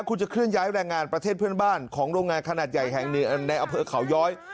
คุณจะเคลื่อย้ายแรงงานประเทศเพื่อนบ้านของโรงงานขนาดใหญ่แห่งหนึ่งในอำเภอเขาย้อย